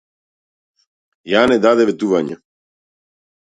Јане даде ветување.